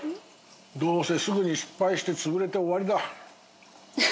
どうせすぐに失敗してつぶれて終わりだ